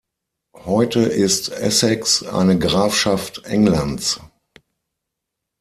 Heute ist Essex eine Grafschaft Englands.